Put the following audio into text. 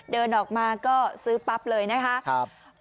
เดินออกมาก็ซื้อปั๊บเลยนะคะ